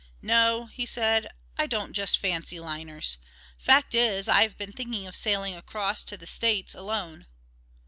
"No," he said, "I don't just fancy liners. Fact is, I have been thinking of sailing across to the States alone."